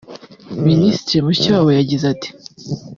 Minisitiri Mushikiwabo yagize ati